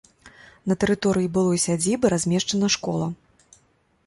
На тэрыторыі былой сядзібы размешчана школа.